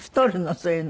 そういうの。